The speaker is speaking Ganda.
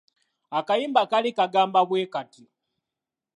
Akayimba kaali kagamba bwe kati;